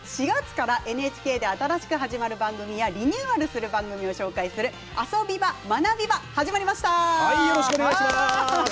４月からＮＨＫで新しく始まる番組やリニューアルする番組を紹介する「あそビバ！まなビバ！」始まりました！